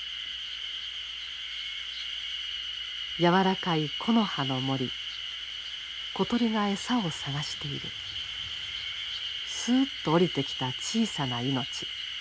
「柔らかい木の葉の森小鳥が餌を探しているすっと下りてきた小さな命。